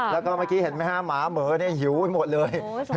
แล้วก็เมื่อกี้เห็นไหมฮะหมาเหมือหิวไปหมดเลย